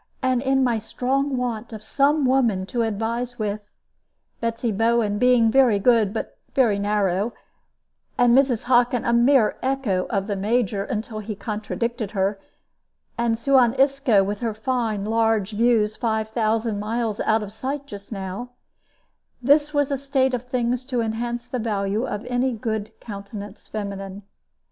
And in my strong want of some woman to advise with Betsy Bowen being very good but very narrow, and Mrs. Hockin a mere echo of the Major until he contradicted her, and Suan Isco, with her fine, large views, five thousand miles out of sight just now this was a state of things to enhance the value of any good countenance feminine.